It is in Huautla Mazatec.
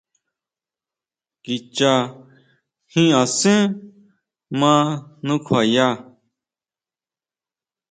Kicha jin asen ʼma nukjuaya.